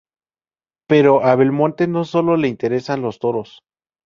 Pero a Belmonte no solo le interesan los toros.